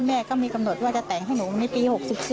แม่ก็มีกำหนดว่าจะแต่งให้หนูในปี๖๔